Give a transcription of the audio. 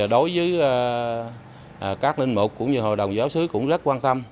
đối với các linh mục cũng như hội đồng giáo sứ cũng rất quan tâm